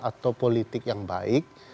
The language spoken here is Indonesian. atau politik yang baik